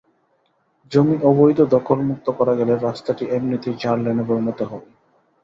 জমি অবৈধ দখলমুক্ত করা গেলে রাস্তাটি এমনিতেই চার লেনে পরিণত হবে।